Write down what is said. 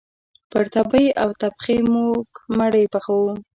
پر تبۍ او تبخي موږ مړۍ پخوو